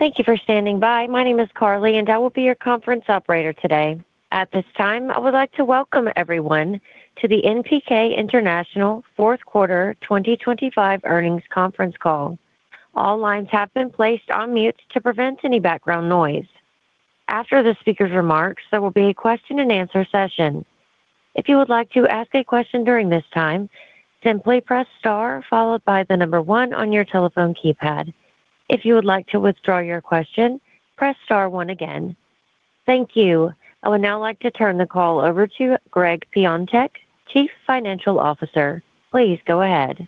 Thank you for standing by. My name is Carly, and I will be your conference operator today. At this time, I would like to welcome everyone to the NPK International Fourth Quarter 2025 Earnings Conference Call. All lines have been placed on mute to prevent any background noise. After the speaker's remarks, there will be a question and answer session. If you would like to ask a question during this time, simply press star one on your telephone keypad. If you would like to withdraw your question, press star one again. Thank you. I would now like to turn the call over to Gregg Piontek, Chief Financial Officer. Please go ahead.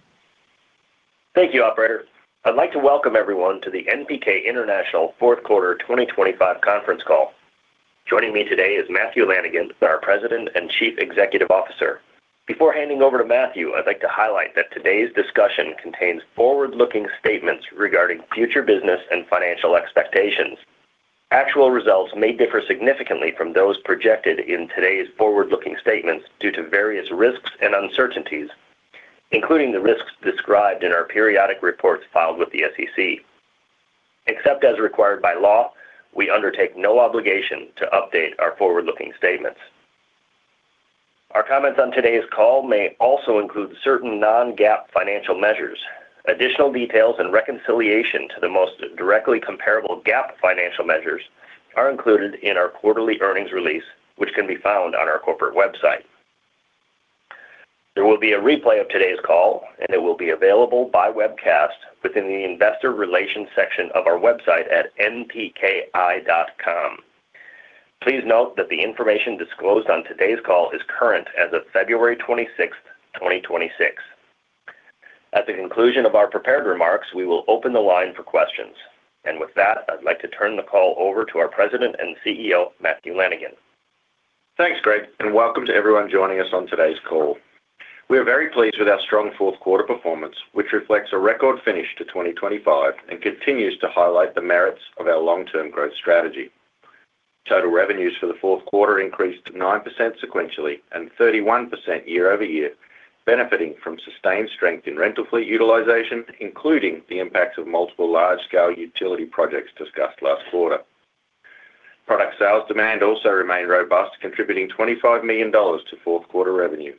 Thank you, operator. I'd like to welcome everyone to the NPK International Fourth Quarter 2025 conference call. Joining me today is Matthew Lanigan, our President and Chief Executive Officer. Before handing over to Matthew, I'd like to highlight that today's discussion contains forward-looking statements regarding future business and financial expectations. Actual results may differ significantly from those projected in today's forward-looking statements due to various risks and uncertainties, including the risks described in our periodic reports filed with the SEC. Except as required by law, we undertake no obligation to update our forward-looking statements. Our comments on today's call may also include certain non-GAAP financial measures. Additional details and reconciliation to the most directly comparable GAAP financial measures are included in our quarterly earnings release, which can be found on our corporate website. There will be a replay of today's call. It will be available by webcast within the Investor Relations section of our website at npki.com. Please note that the information disclosed on today's call is current as of February 26th, 2026. At the conclusion of our prepared remarks, we will open the line for questions. With that, I'd like to turn the call over to our President and CEO, Matthew Lanigan. Thanks, Greg. Welcome to everyone joining us on today's call. We are very pleased with our strong fourth quarter performance, which reflects a record finish to 2025 and continues to highlight the merits of our long-term growth strategy. Total revenues for the fourth quarter increased 9% sequentially and 31% year-over-year, benefiting from sustained strength in rental fleet utilization, including the impacts of multiple large-scale utility projects discussed last quarter. Product sales demand also remained robust, contributing $25 million to fourth quarter revenue.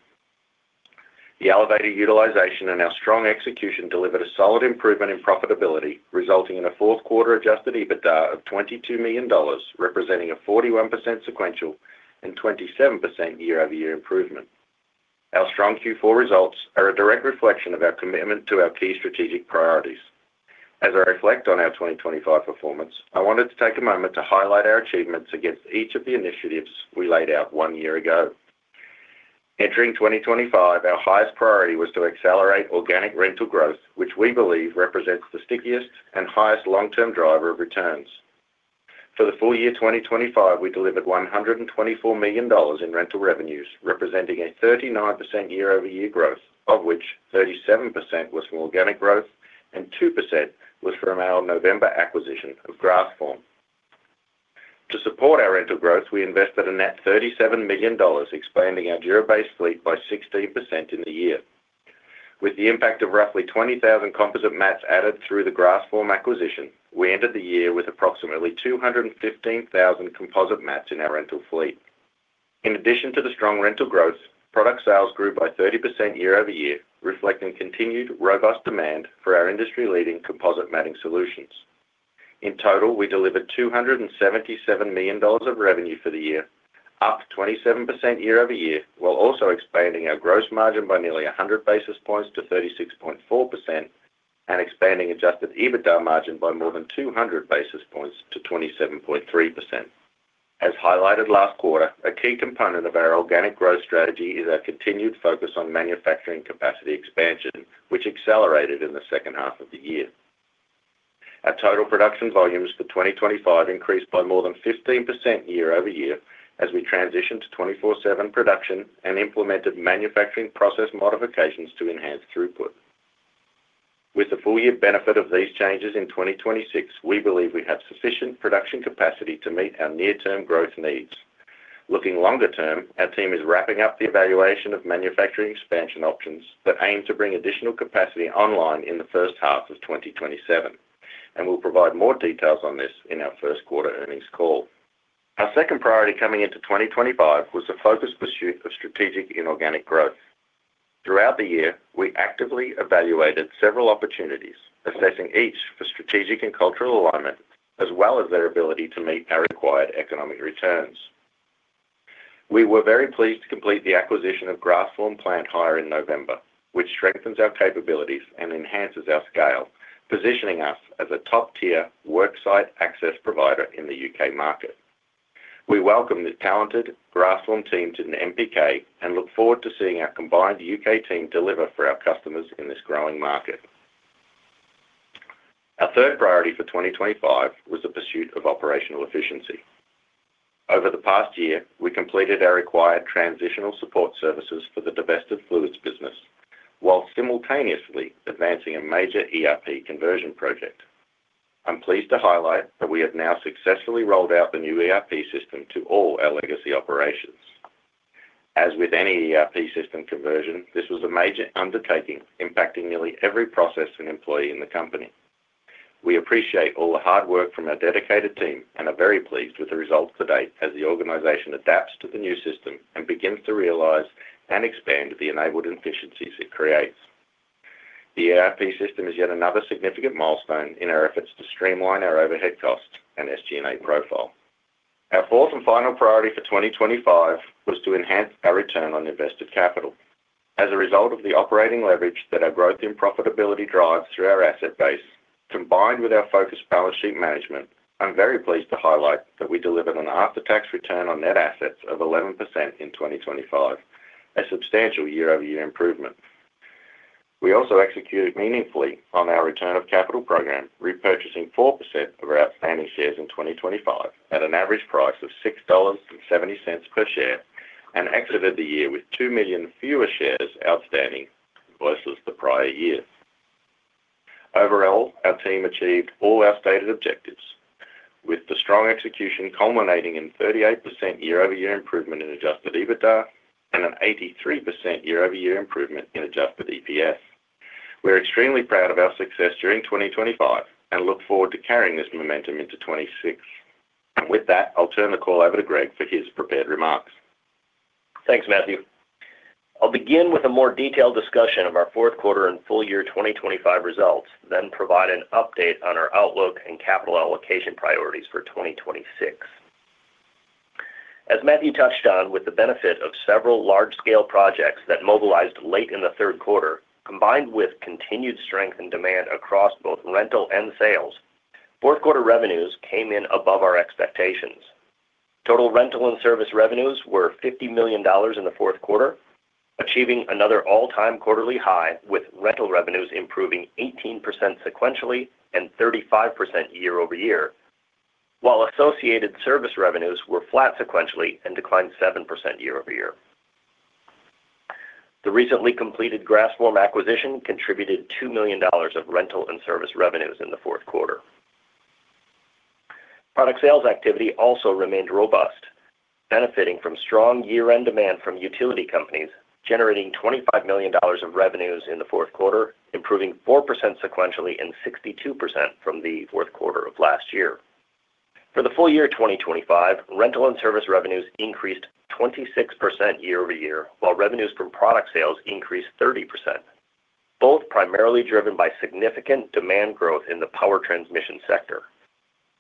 The elevated utilization and our strong execution delivered a solid improvement in profitability, resulting in a fourth quarter Adjusted EBITDA of $22 million, representing a 41% sequential and 27% year-over-year improvement. Our strong Q4 results are a direct reflection of our commitment to our key strategic priorities. As I reflect on our 2025 performance, I wanted to take a moment to highlight our achievements against each of the initiatives we laid out one year ago. Entering 2025, our highest priority was to accelerate organic rental growth, which we believe represents the stickiest and highest long-term driver of returns. For the full year 2025, we delivered $124 million in rental revenues, representing a 39% year-over-year growth, of which 37% was from organic growth and 2% was from our November acquisition of Grassform. To support our rental growth, we invested a net $37 million, expanding our DURA-BASE fleet by 16% in the year. With the impact of roughly 20,000 composite mats added through the Grassform acquisition, we ended the year with approximately 215,000 composite mats in our rental fleet. In addition to the strong rental growth, product sales grew by 30% year-over-year, reflecting continued robust demand for our industry-leading composite matting solutions. In total, we delivered $277 million of revenue for the year, up 27% year-over-year, while also expanding our gross margin by nearly 100 basis points to 36.4% and expanding Adjusted EBITDA margin by more than 200 basis points to 27.3%. As highlighted last quarter, a key component of our organic growth strategy is our continued focus on manufacturing capacity expansion, which accelerated in the second half of the year. Our total production volumes for 2025 increased by more than 15% year-over-year as we transitioned to 24/7 production and implemented manufacturing process modifications to enhance throughput. With the full year benefit of these changes in 2026, we believe we have sufficient production capacity to meet our near-term growth needs. Looking longer term, our team is wrapping up the evaluation of manufacturing expansion options that aim to bring additional capacity online in the first half of 2027, We'll provide more details on this in our first quarter earnings call. Our second priority coming into 2025 was the focused pursuit of strategic inorganic growth. Throughout the year, we actively evaluated several opportunities, assessing each for strategic and cultural alignment, as well as their ability to meet our required economic returns. We were very pleased to complete the acquisition of Grassform Plant Hire in November, which strengthens our capabilities and enhances our scale, positioning us as a top-tier work site access provider in the UK market. We welcome the talented Grassform team to NPK and look forward to seeing our combined UK team deliver for our customers in this growing market. Our third priority for 2025 was the pursuit of operational efficiency. Over the past year, we completed our required transitional support services for the divested fluids business, while simultaneously advancing a major ERP conversion project. I'm pleased to highlight that we have now successfully rolled out the new ERP system to all our legacy operations. As with any ERP system conversion, this was a major undertaking, impacting nearly every process and employee in the company. We appreciate all the hard work from our dedicated team and are very pleased with the results to date as the organization adapts to the new system and begins to realize and expand the enabled efficiencies it creates. The ERP system is yet another significant milestone in our efforts to streamline our overhead costs and SG&A profile. Our fourth and final priority for 2025 was to enhance our return on invested capital. As a result of the operating leverage that our growth and profitability drives through our asset base, combined with our focused balance sheet management, I'm very pleased to highlight that we delivered an after-tax return on net assets of 11% in 2025, a substantial year-over-year improvement. We also executed meaningfully on our return of capital program, repurchasing 4% of our outstanding shares in 2025 at an average price of $6.70 per share, and exited the year with TWO million fewer shares outstanding versus the prior year. Overall, our team achieved all our stated objectives, with the strong execution culminating in 38% year-over-year improvement in Adjusted EBITDA and an 83% year-over-year improvement in Adjusted EPS. We're extremely proud of our success during 2025 and look forward to carrying this momentum into 2026. With that, I'll turn the call over to Gregg for his prepared remarks. Thanks, Matthew. I'll begin with a more detailed discussion of our fourth quarter and full year 2025 results, then provide an update on our outlook and capital allocation priorities for 2026. As Matthew touched on, with the benefit of several large-scale projects that mobilized late in the third quarter, combined with continued strength and demand across both rental and sales, fourth quarter revenues came in above our expectations. Total rental and service revenues were $50 million in the fourth quarter, achieving another all-time quarterly high, with rental revenues improving 18% sequentially and 35% year-over-year, while associated service revenues were flat sequentially and declined 7% year-over-year. The recently completed Grassform acquisition contributed $2 million of rental and service revenues in the fourth quarter. Product sales activity also remained robust, benefiting from strong year-end demand from utility companies, generating $25 million of revenues in the fourth quarter, improving 4% sequentially and 62% from the fourth quarter of last year. For the full year 2025, rental and service revenues increased 26% year-over-year, while revenues from product sales increased 30%, both primarily driven by significant demand growth in the power transmission sector.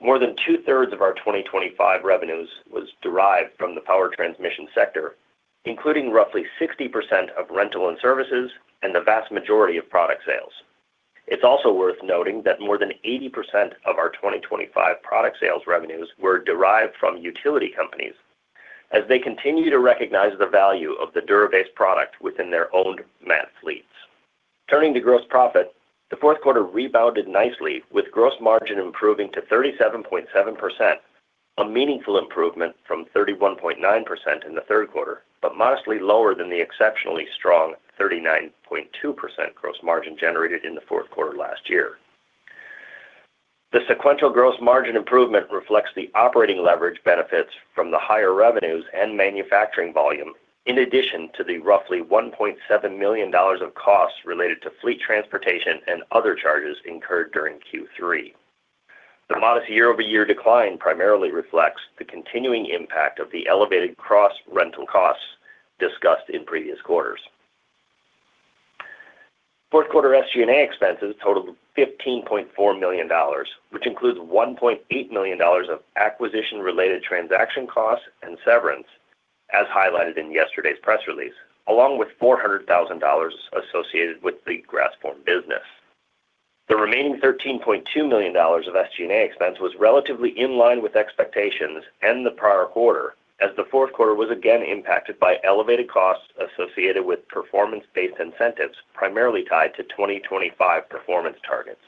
More than two-thirds of our 2025 revenues was derived from the power transmission sector, including roughly 60% of rental and services and the vast majority of product sales. It is also worth noting that more than 80% of our 2025 product sales revenues were derived from utility companies as they continue to recognize the value of the DURA-BASE product within their owned mat fleets. Turning to gross profit, the fourth quarter rebounded nicely, with gross margin improving to 37.7%, a meaningful improvement from 31.9% in the third quarter, but modestly lower than the exceptionally strong 39.2% gross margin generated in the fourth quarter last year. The sequential gross margin improvement reflects the operating leverage benefits from the higher revenues and manufacturing volume, in addition to the roughly $1.7 million of costs related to fleet transportation and other charges incurred during Q3. The modest year-over-year decline primarily reflects the continuing impact of the elevated cross-rental costs discussed in previous quarters. Fourth quarter SG&A expenses totaled $15.4 million, which includes $1.8 million of acquisition-related transaction costs and severance, as highlighted in yesterday's press release, along with $400,000 associated with the Grassform business. The remaining $13.2 million of SG&A expense was relatively in line with expectations and the prior quarter, as the fourth quarter was again impacted by elevated costs associated with performance-based incentives, primarily tied to 2025 performance targets.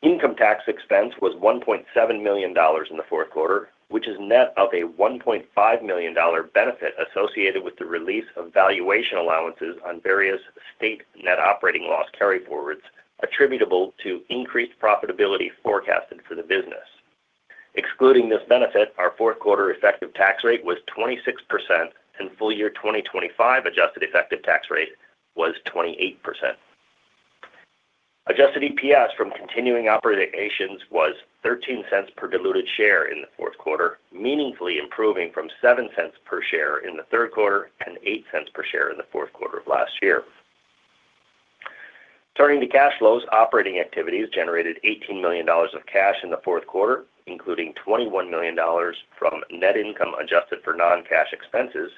Income tax expense was $1.7 million in the fourth quarter, which is net of a $1.5 million benefit associated with the release of valuation allowances on various state net operating loss carryforwards attributable to increased profitability forecasted for the business. Excluding this benefit, our fourth quarter effective tax rate was 26%, and full year 2025 adjusted effective tax rate was 28%. Adjusted EPS from continuing operations was $0.13 per diluted share in the fourth quarter, meaningfully improving from $0.07 per share in the third quarter and $0.08 per share in the fourth quarter of last year. Turning to cash flows, operating activities generated $18 million of cash in the fourth quarter, including $21 million from net income adjusted for non-cash expenses,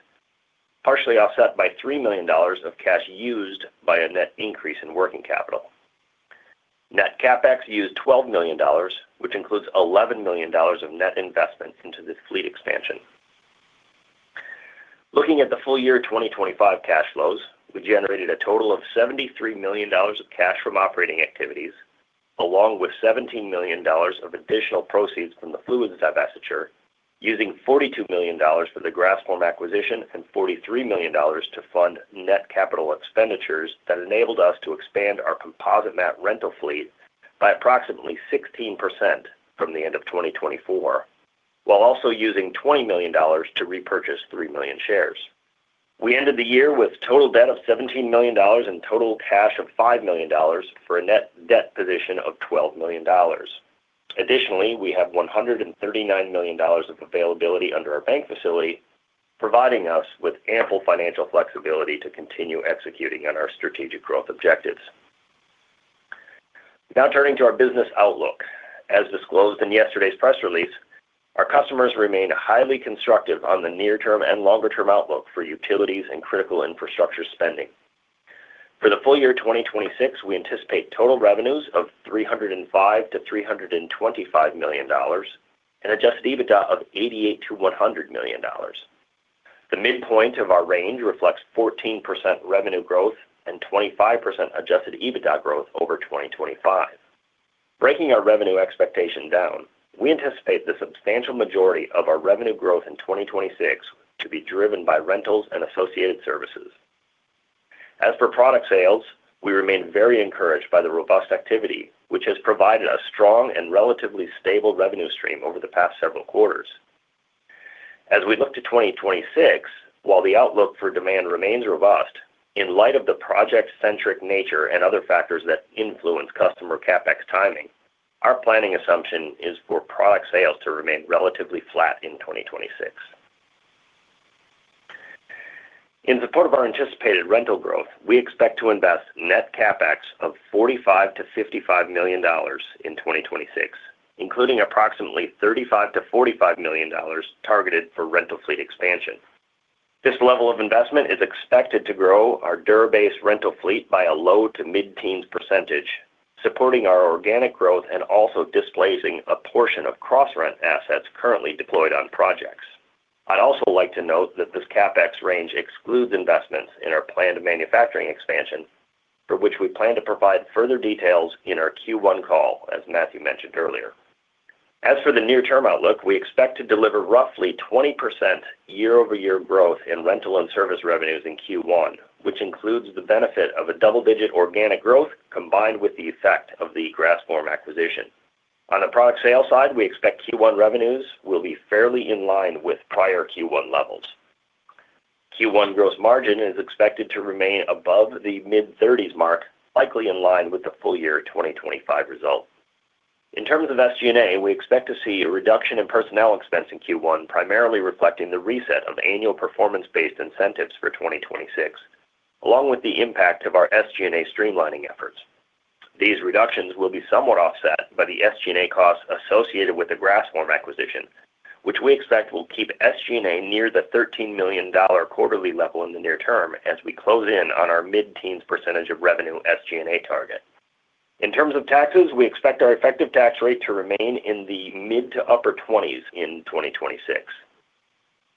partially offset by $3 million of cash used by a net increase in working capital. Net CapEx used $12 million, which includes $11 million of net investments into the fleet expansion. Looking at the full year 2025 cash flows, we generated a total of $73 million of cash from operating activities, along with $17 million of additional proceeds from the fluids divestiture, using $42 million for the Grassform acquisition and $43 million to fund net capital expenditures that enabled us to expand our composite mat rental fleet by approximately 16% from the end of 2024, while also using $20 million to repurchase three million shares. We ended the year with total debt of $17 million and total cash of $5 million, for a net debt position of $12 million. Additionally, we have $139 million of availability under our bank facility, providing us with ample financial flexibility to continue executing on our strategic growth objectives. Now turning to our business outlook. As disclosed in yesterday's press release, our customers remain highly constructive on the near-term and longer-term outlook for utilities and critical infrastructure spending. For the full year 2026, we anticipate total revenues of $305 million-$325 million and Adjusted EBITDA of $88 million-$100 million. The midpoint of our range reflects 14% revenue growth and 25% Adjusted EBITDA growth over 2025. Breaking our revenue expectation down, we anticipate the substantial majority of our revenue growth in 2026 to be driven by rentals and associated services. As for product sales, we remain very encouraged by the robust activity, which has provided a strong and relatively stable revenue stream over the past several quarters. As we look to 2026, while the outlook for demand remains robust, in light of the project-centric nature and other factors that influence customer CapEx timing, our planning assumption is for product sales to remain relatively flat in 2026. In support of our anticipated rental growth, we expect to invest net CapEx of $45 million-$55 million in 2026, including approximately $35 million-$45 million targeted for rental fleet expansion. This level of investment is expected to grow our DURA-BASE rental fleet by a low to mid-teens %, supporting our organic growth and also displacing a portion of cross-rent assets currently deployed on projects. I'd also like to note that this CapEx range excludes investments in our planned manufacturing expansion, for which we plan to provide further details in our Q1 call, as Matthew mentioned earlier. As for the near-term outlook, we expect to deliver roughly 20% year-over-year growth in rental and service revenues in Q1, which includes the benefit of a double-digit organic growth, combined with the effect of the Grassform acquisition. On the product sales side, we expect Q1 revenues will be fairly in line with prior Q1 levels. Q1 gross margin is expected to remain above the mid-30s mark, likely in line with the full year 2025 result. In terms of SG&A, we expect to see a reduction in personnel expense in Q1, primarily reflecting the reset of annual performance-based incentives for 2026, along with the impact of our SG&A streamlining efforts. These reductions will be somewhat offset by the SG&A costs associated with the Grassform acquisition, which we expect will keep SG&A near the $13 million quarterly level in the near term as we close in on our mid-teens % of revenue SG&A target. In terms of taxes, we expect our effective tax rate to remain in the mid-to-upper 20s% in 2026.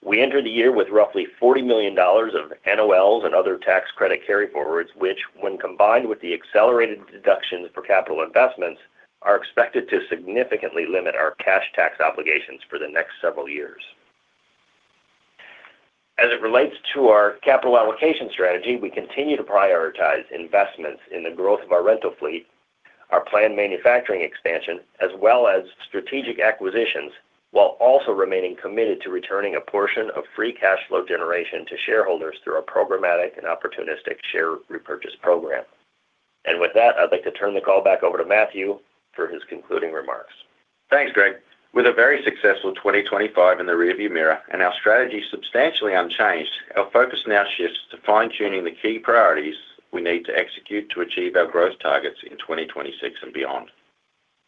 We entered the year with roughly $40 million of NOLs and other tax credit carryforwards, which, when combined with the accelerated deductions for capital investments, are expected to significantly limit our cash tax obligations for the next several years. As it relates to our capital allocation strategy, we continue to prioritize investments in the growth of our rental fleet, our planned manufacturing expansion, as well as strategic acquisitions, while also remaining committed to returning a portion of free cash flow generation to shareholders through our programmatic and opportunistic share repurchase program. With that, I'd like to turn the call back over to Matthew for his concluding remarks. Thanks, Gregg. With a very successful 2025 in the rearview mirror and our strategy substantially unchanged, our focus now shifts to fine-tuning the key priorities we need to execute to achieve our growth targets in 2026 and beyond.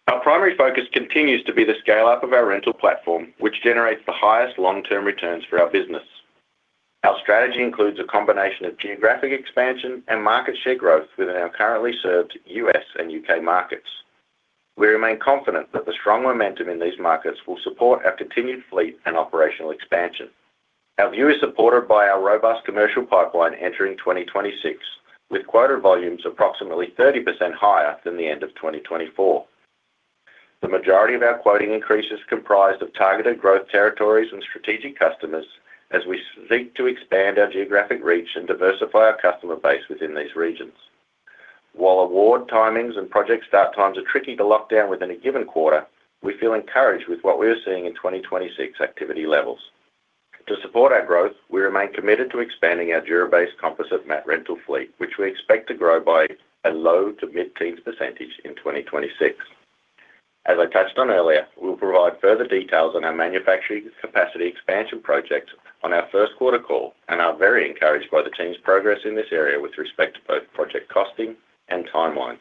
Our primary focus continues to be the scale-up of our rental platform, which generates the highest long-term returns for our business. Our strategy includes a combination of geographic expansion and market share growth within our currently served US and UK markets. We remain confident that the strong momentum in these markets will support our continued fleet and operational expansion. Our view is supported by our robust commercial pipeline entering 2026, with quoted volumes approximately 30% higher than the end of 2024. The majority of our quoting increases comprised of targeted growth territories and strategic customers as we seek to expand our geographic reach and diversify our customer base within these regions. While award timings and project start times are tricky to lock down within a given quarter, we feel encouraged with what we are seeing in 2026 activity levels. To support our growth, we remain committed to expanding our DURA-BASE composite mat rental fleet, which we expect to grow by a low to mid-teens % in 2026. As I touched on earlier, we'll provide further details on our manufacturing capacity expansion project on our first quarter call and are very encouraged by the team's progress in this area with respect to both project costing and timeline.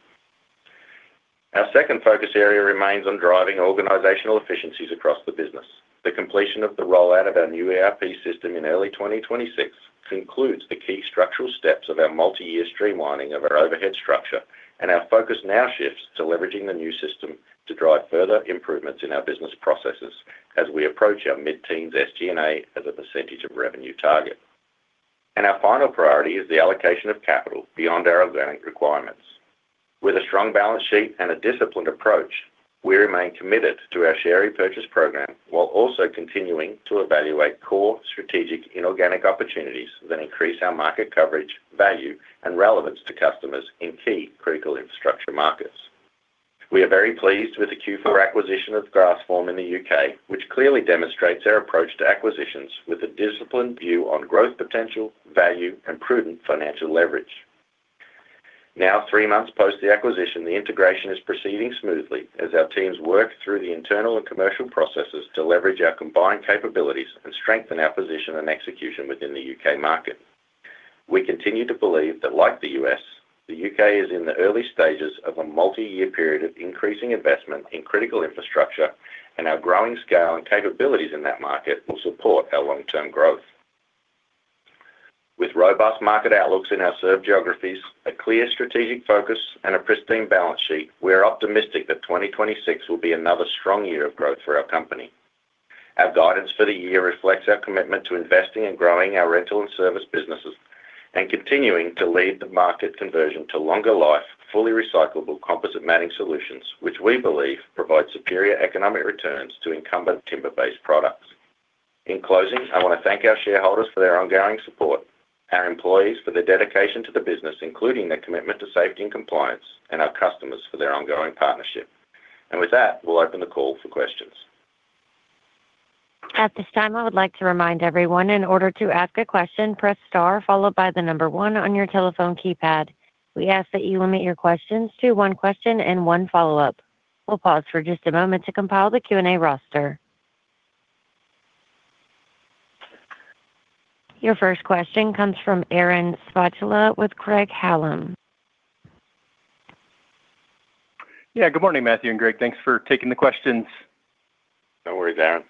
Our second focus area remains on driving organizational efficiencies across the business. The completion of the rollout of our new ERP system in early 2026 concludes the key structural steps of our multi-year streamlining of our overhead structure. Our focus now shifts to leveraging the new system to drive further improvements in our business processes as we approach our mid-teens SG&A as a percentage of revenue target. Our final priority is the allocation of capital beyond our organic requirements. With a strong balance sheet and a disciplined approach, We remain committed to our share repurchase program, while also continuing to evaluate core strategic inorganic opportunities that increase our market coverage, value, and relevance to customers in key critical infrastructure markets. We are very pleased with the Q4 acquisition of Grassform in the U.K., which clearly demonstrates our approach to acquisitions with a disciplined view on growth, potential value, and prudent financial leverage. Now, three months post the acquisition, the integration is proceeding smoothly as our teams work through the internal and commercial processes to leverage our combined capabilities and strengthen our position and execution within the UK market. We continue to believe that, like the U.S., the U.K. is in the early stages of a multi-year period of increasing investment in critical infrastructure, and our growing scale and capabilities in that market will support our long-term growth. With robust market outlooks in our served geographies, a clear strategic focus, and a pristine balance sheet, we are optimistic that 2026 will be another strong year of growth for our company. Our guidance for the year reflects our commitment to investing and growing our rental and service businesses and continuing to lead the market conversion to longer life, fully recyclable composite matting solutions, which we believe provide superior economic returns to incumbent timber-based products. In closing, I want to thank our shareholders for their ongoing support, our employees for their dedication to the business, including their commitment to safety and compliance, and our customers for their ongoing partnership. With that, we'll open the call for questions. At this time, I would like to remind everyone, in order to ask a question, press star followed by the one on your telephone keypad. We ask that you limit your questions to one question and one follow-up. We'll pause for just a moment to compile the Q&A roster. Your first question comes from Aaron Spychalla with Craig-Hallum. Yeah. Good morning, Matthew and Gregg. Thanks for taking the questions. No worries, Aaron.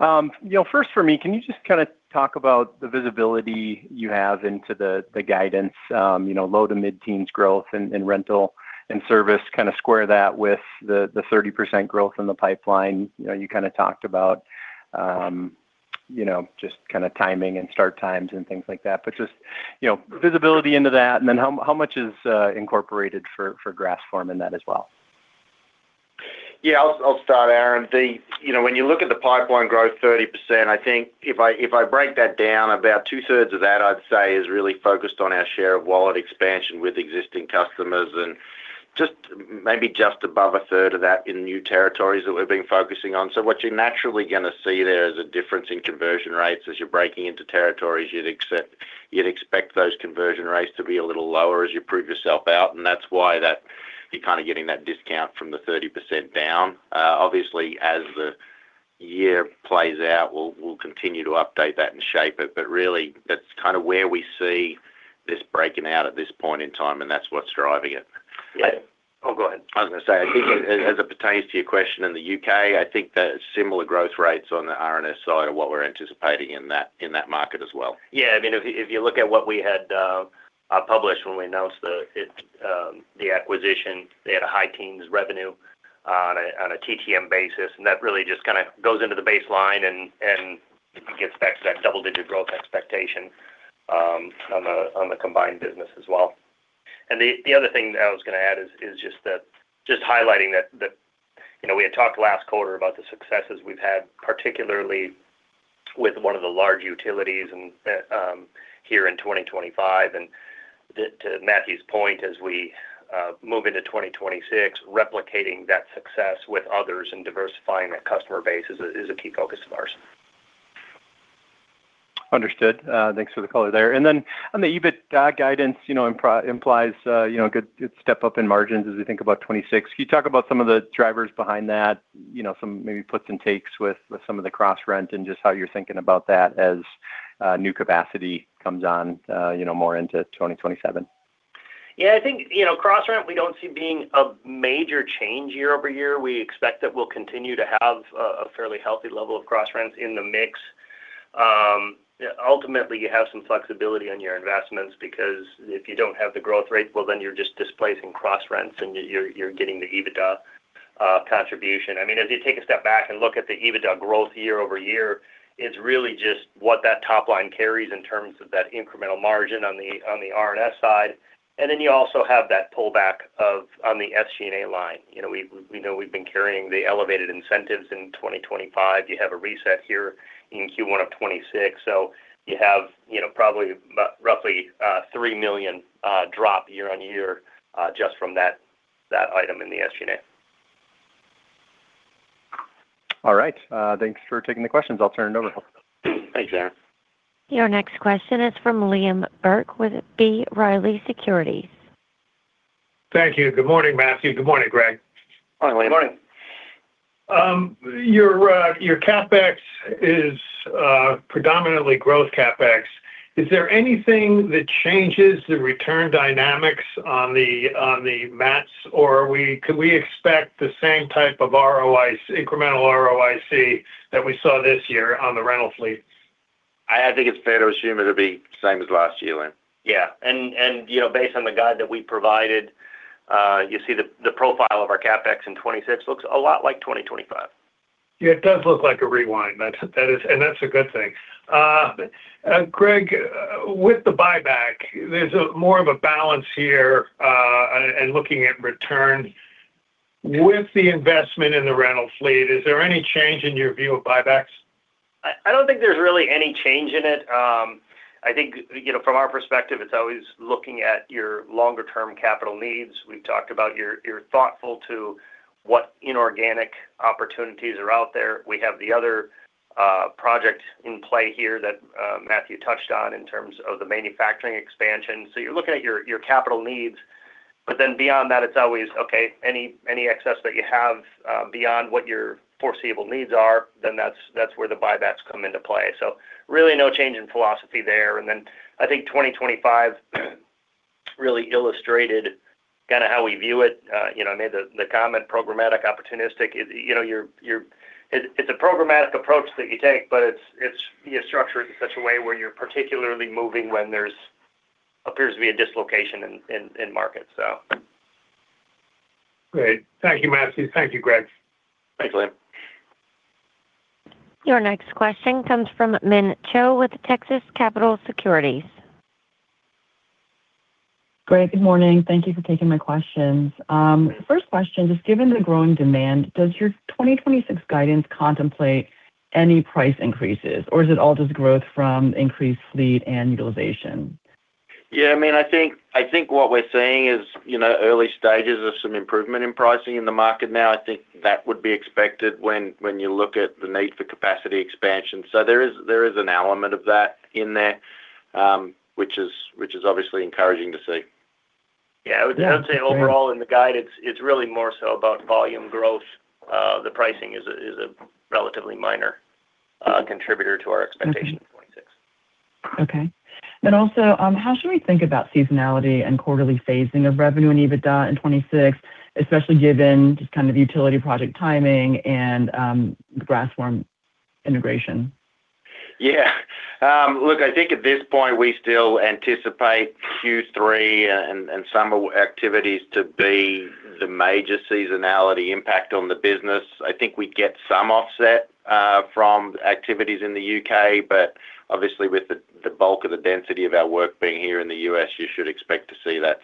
You know, first for me, can you just kind of talk about the visibility you have into the guidance, you know, low to mid-teens growth and rental and service, kind of square that with the 30% growth in the pipeline? You know, you kind of talked about, you know, just kind of timing and start times and things like that, but just, you know, visibility into that, and then how much is incorporated for Grassform in that as well? Yeah, I'll start, Aaron. You know, when you look at the pipeline growth, 30%, I think if I break that down, about two-thirds of that, I'd say, is really focused on our share of wallet expansion with existing customers and just maybe just above a third of that in new territories that we've been focusing on. What you're naturally gonna see there is a difference in conversion rates as you're breaking into territories. You'd expect those conversion rates to be a little lower as you prove yourself out, and that's why that you're kind of getting that discount from the 30% down. Obviously, as the year plays out, we'll continue to update that and shape it, really that's kind of where we see this breaking out at this point in time, and that's what's driving it. Yeah. Oh, go ahead. I was gonna say, I think as it pertains to your question in the U.K., I think the similar growth rates on the R&S side are what we're anticipating in that market as well. I mean, if you look at what we had published when we announced the acquisition, they had a high teens revenue on a TTM basis, and that really just kind of goes into the baseline and gets back to that double-digit growth expectation on the combined business as well. The other thing that I was gonna add is just that, just highlighting that, you know, we had talked last quarter about the successes we've had, particularly with one of the large utilities and here in 2025, and to Matthew's point, as we move into 2026, replicating that success with others and diversifying that customer base is a key focus of ours. Understood. Thanks for the color there. Then on the EBITDA guidance, you know, implies, you know, a good step up in margins as we think about 26. Can you talk about some of the drivers behind that? You know, some maybe puts and takes with some of the cross rent and just how you're thinking about that as new capacity comes on, you know, more into 2027. Yeah, I think, you know, cross rent, we don't see being a major change year-over-year. We expect that we'll continue to have a fairly healthy level of cross rents in the mix. Ultimately, you have some flexibility on your investments because if you don't have the growth rates, well, then you're just displacing cross rents, and you're getting the EBITDA contribution. I mean, as you take a step back and look at the EBITDA growth year-over-year, it's really just what that top line carries in terms of that incremental margin on the R&S side. You also have that pullback of on the SG&A line. You know, we know we've been carrying the elevated incentives in 2025. You have a reset here in Q1 of 2026, you have, you know, probably about roughly, $3 million drop year-on-year, just from that item in the SG&A. All right, thanks for taking the questions. I'll turn it over. Thanks, Aaron. Your next question is from Liam Burke with B. Riley Securities. Thank you. Good morning, Matthew. Good morning, Greg. Hi, Liam. Good morning. Your CapEx is predominantly growth CapEx. Is there anything that changes the return dynamics on the mats, or could we expect the same type of ROIC, incremental ROIC, that we saw this year on the rental fleet? I think it's fair to assume it'll be the same as last year, Liam. Yeah, and, you know, based on the guide that we provided, you see the profile of our CapEx in 2026 looks a lot like 2025. It does look like a rewind. That's, that is, and that's a good thing. Gregg, with the buyback, there's a more of a balance here, and looking at return. With the investment in the rental fleet, is there any change in your view of buybacks? I don't think there's really any change in it. I think, you know, from our perspective, it's always looking at your longer-term capital needs. We've talked about you're thoughtful to what inorganic opportunities are out there. We have the other project in play here that Matthew touched on in terms of the manufacturing expansion. You're looking at your capital needs, but then beyond that, it's always, okay, any excess that you have beyond what your foreseeable needs are, then that's where the buybacks come into play. Really, no change in philosophy there. I think 2025 really illustrated kinda how we view it. You know, I made the comment, programmatic, opportunistic. You know, it's a programmatic approach that you take, but it's structured in such a way where you're particularly moving when there's appears to be a dislocation in markets, so. Great. Thank you, Matthew. Thank you, Greg. Thanks, Lynn. Your next question comes from Min Cho with Texas Capital Securities. Great, good morning. Thank you for taking my questions. First question, just given the growing demand, does your 2026 guidance contemplate any price increases, or is it all just growth from increased fleet and utilization? Yeah, I mean, I think what we're seeing is, you know, early stages of some improvement in pricing in the market now. I think that would be expected when you look at the need for capacity expansion. There is an element of that in there, which is obviously encouraging to see. Yeah, I would say overall, in the guidance, it's really more so about volume growth. The pricing is a relatively minor contributor to our expectations in 2026. Okay. Also, how should we think about seasonality and quarterly phasing of revenue and EBITDA in 2026, especially given just kind of utility project timing and Grassform integration? Yeah. Look, I think at this point, we still anticipate Q3 and summer activities to be the major seasonality impact on the business. I think we get some offset from activities in the U.K., but obviously with the bulk of the density of our work being here in the U.S., you should expect to see that.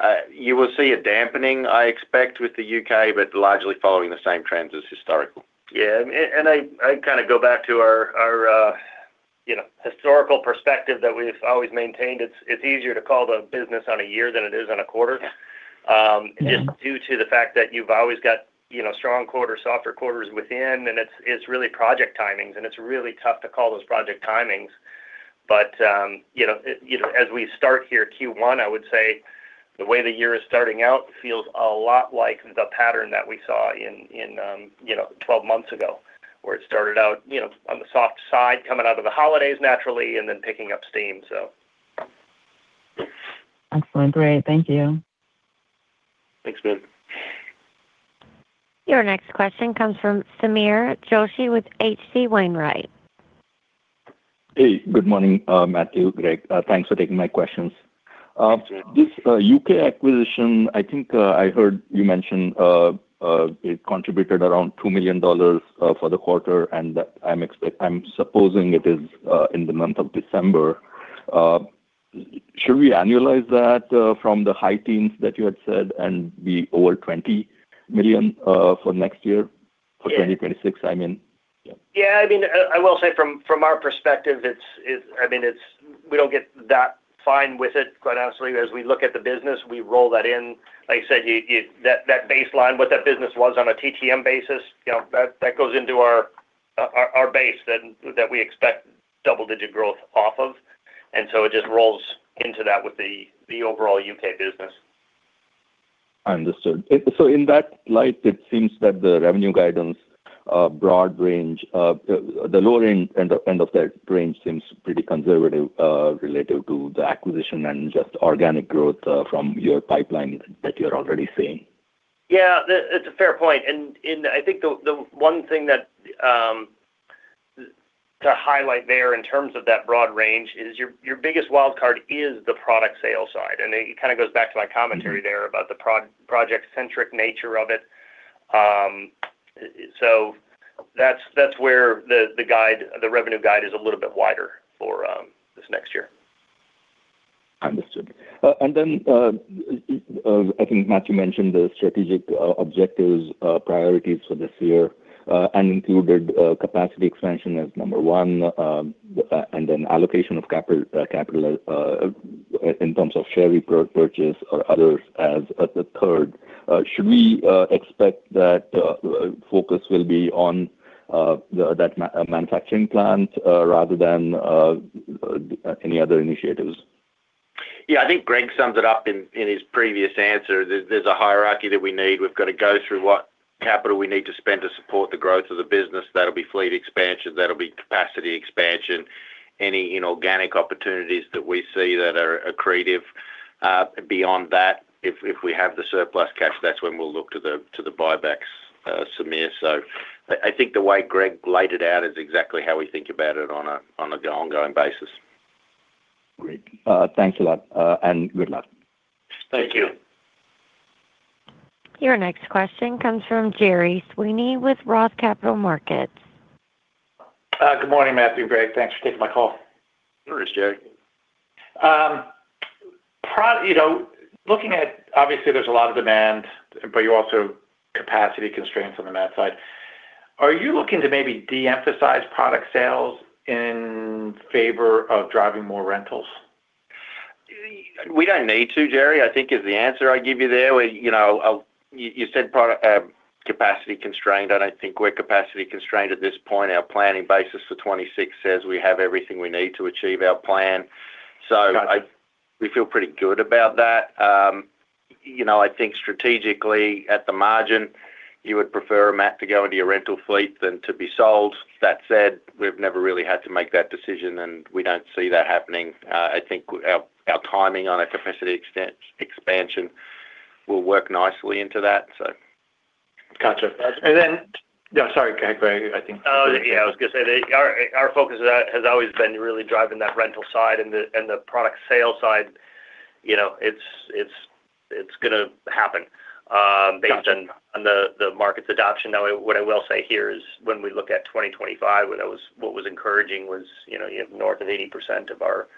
I, you will see a dampening, I expect, with the U.K., but largely following the same trends as historical. Yeah, and I go back to our, you know, historical perspective that we've always maintained. It's easier to call the business on a year than it is on a quarter. Yeah. Just due to the fact that you've always got, you know, strong quarter, softer quarters within, and it's really project timings, and it's really tough to call those project timings. You know, as we start here, Q1, I would say the way the year is starting out feels a lot like the pattern that we saw in, you know, 12 months ago, where it started out, you know, on the soft side, coming out of the holidays naturally, and then picking up steam. Excellent. Great. Thank you. Thanks, Min. Your next question comes from Sameer Joshi with H.C. Wainwright & Co. Hey, good morning, Matthew, Greg. Thanks for taking my questions. Thanks for it. This UK acquisition, I think, I heard you mention it contributed around $2 million for the quarter. I'm supposing it is in the month of December. Should we annualize that from the high teens that you had said and be over $20 million for next year? Yeah. for 2026, I mean? Yeah. I mean, I will say from our perspective, it's, I mean, it's we don't get that fine with it, quite honestly, as we look at the business, we roll that in. Like I said, you, that baseline, what that business was on a TTM basis, you know, that goes into our base that we expect double-digit growth off of. It just rolls into that with the overall UK business. Understood. In that light, it seems that the revenue guidance, broad range, the low range end of that range seems pretty conservative, relative to the acquisition and just organic growth, from your pipeline that you're already seeing. Yeah, it's a fair point. I think the one thing that, to highlight there in terms of that broad range is your biggest wild card is the product sales side, and it kinda goes back to my commentary there about the project-centric nature of it. That's where the guide, the revenue guide is a little bit wider for, this next year. Understood. I think Matthew mentioned the strategic objectives priorities for this year, and included capacity expansion as number one, and then allocation of capital in terms of share repurchased or others as the third. Should we expect that focus will be on the that manufacturing plant rather than any other initiatives? Yeah, I think Gregg summed it up in his previous answer. There's a hierarchy that we need. We've got to go through what capital we need to spend to support the growth of the business. That'll be fleet expansion, that'll be capacity expansion, any inorganic opportunities that we see that are accretive. Beyond that, if we have the surplus cash, that's when we'll look to the buybacks, Sameer. I think the way Gregg laid it out is exactly how we think about it on an ongoing basis. Great. Thanks a lot, and good luck. Thank you. Your next question comes from Gerry Sweeney with Roth Capital Partners. Good morning, Matthew and Gregg. Thanks for taking my call. Thanks, Gerry. You know, looking at, obviously, there's a lot of demand, but you're also capacity constraints on the mat side. Are you looking to maybe de-emphasize product sales in favor of driving more rentals? We don't need to, Gerry, I think is the answer I'd give you there. You know, you said product, capacity constrained. I don't think we're capacity constrained at this point. Our planning basis for 2026 says we have everything we need to achieve our plan. We feel pretty good about that. You know, I think strategically, at the margin, you would prefer a mat to go into your rental fleet than to be sold. That said, we've never really had to make that decision, and we don't see that happening. I think our timing on a capacity expansion will work nicely into that, so. Gotcha. Yeah, sorry, Gregg, I think. Oh, yeah, I was gonna say, our focus has always been really driving that rental side and the product sales side, you know, it's gonna happen. Gotcha... on the market's adoption. What I will say here is when we look at 2025, what was encouraging was, you know, you have more than 80% of our,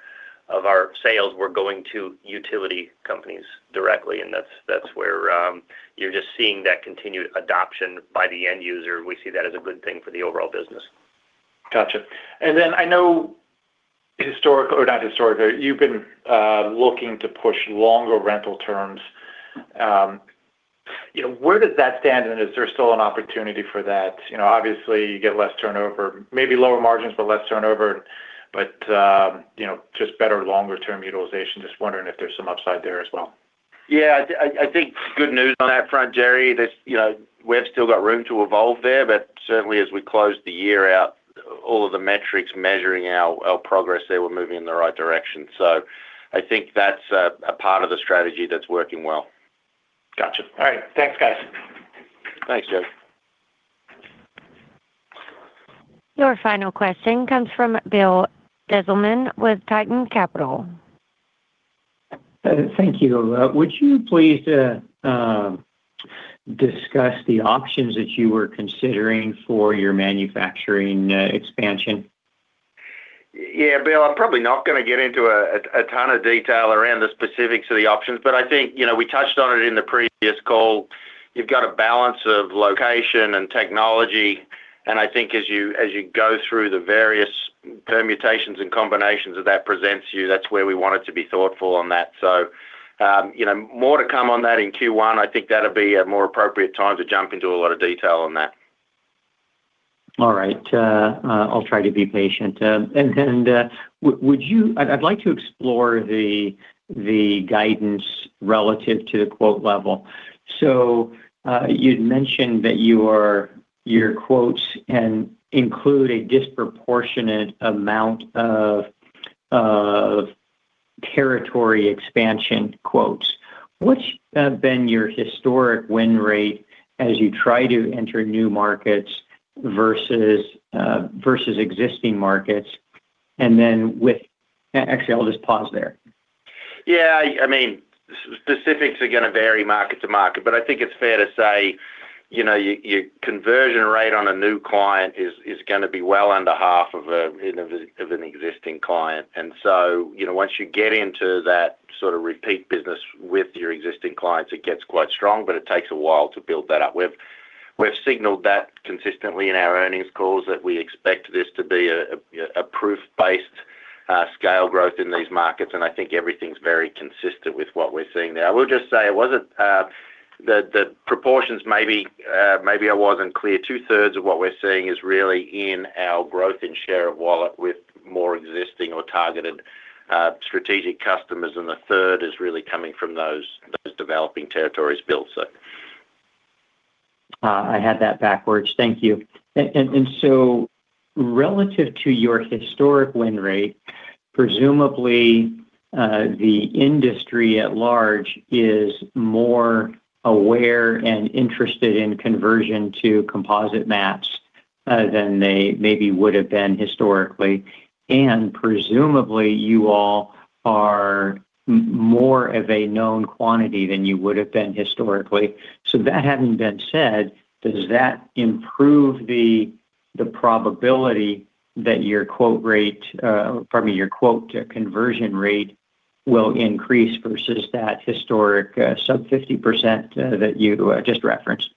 of our sales were going to utility companies directly, and that's where you're just seeing that continued adoption by the end user. We see that as a good thing for the overall business. Gotcha. Then I know historically, or not historically, you've been looking to push longer rental terms. You know, where does that stand, and is there still an opportunity for that? You know, obviously, you get less turnover, maybe lower margins, but less turnover, but, you know, just better longer-term utilization. Just wondering if there's some upside there as well. Yeah, I think good news on that front, Gerry, that, you know, we've still got room to evolve there, but certainly, as we close the year out, all of the metrics measuring our progress there, we're moving in the right direction. I think that's a part of the strategy that's working well. Gotcha. All right. Thanks, guys. Thanks, Gerry. Your final question comes from Bill Dezellem with Tieton Capital. Thank you. Would you please discuss the options that you were considering for your manufacturing expansion? Yeah, Bill, I'm probably not gonna get into a, a ton of detail around the specifics of the options. I think, you know, we touched on it in the previous call. You've got a balance of location and technology, and I think as you, as you go through the various permutations and combinations that presents you, that's where we want it to be thoughtful on that. You know, more to come on that in Q1, I think that'll be a more appropriate time to jump into a lot of detail on that. All right, I'll try to be patient. I'd like to explore the guidance relative to the quote level. You'd mentioned that your quotes and include a disproportionate amount of territory expansion quotes. What's been your historic win rate as you try to enter new markets versus existing markets? Actually, I'll just pause there. Yeah, I mean, specifics are gonna vary market to market, but I think it's fair to say, you know, your conversion rate on a new client is gonna be well under half of an existing client. Once you get into that sort of repeat business with your existing clients, it gets quite strong, but it takes a while to build that up. We've signaled that consistently in our earnings calls that we expect this to be a proof-based scale growth in these markets. I think everything's very consistent with what we're seeing now. I will just say it wasn't the proportions, maybe I wasn't clear. Two-thirds of what we're seeing is really in our growth in share of wallet with more existing or targeted strategic customers, and the third is really coming from those developing territories built. I had that backwards. Thank you. Relative to your historic win rate, presumably, the industry at large is more aware and interested in conversion to composite mats than they maybe would have been historically, and presumably, you all are more of a known quantity than you would have been historically. That having been said, does that improve the probability that your quote rate, pardon me, your quote conversion rate will increase versus that historic sub 50% that you just referenced?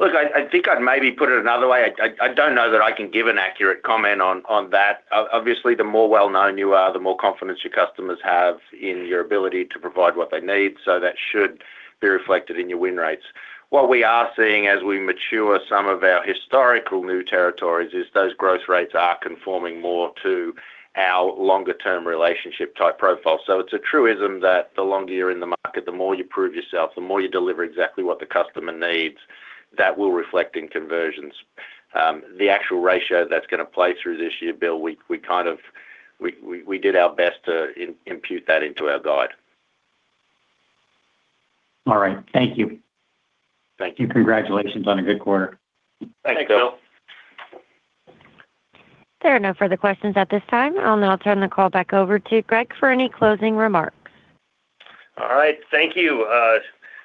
Look, I think I'd maybe put it another way. I don't know that I can give an accurate comment on that. Obviously, the more well known you are, the more confidence your customers have in your ability to provide what they need, so that should be reflected in your win rates. What we are seeing as we mature some of our historical new territories is those growth rates are conforming more to our longer-term relationship type profile. It's a truism that the longer you're in the market, the more you prove yourself, the more you deliver exactly what the customer needs, that will reflect in conversions. The actual ratio that's gonna play through this year, Bill, we kind of did our best to impute that into our guide. All right. Thank you. Thank you. Congratulations on a good quarter. Thanks, Bill. There are no further questions at this time. I'll now turn the call back over to Gregg for any closing remarks. All right. Thank you.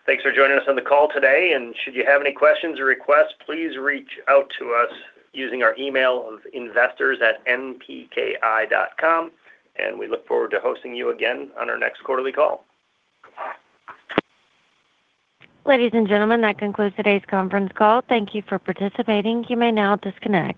Thanks for joining us on the call today. Should you have any questions or requests, please reach out to us using our email of investors@npki.com. We look forward to hosting you again on our next quarterly call Ladies and gentlemen, that concludes today's conference call. Thank you for participating. You may now disconnect.